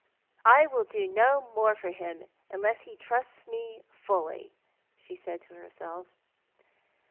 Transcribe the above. " I will do no more for him unless he trusts me fully," she said to herself.